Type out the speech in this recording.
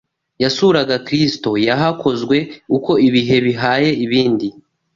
yasuraga Kristo yahakozwe uko ibihe bihaye ibindi.